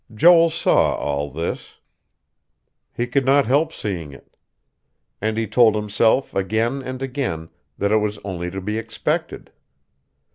Joel saw all this. He could not help seeing it. And he told himself, again and again, that it was only to be expected.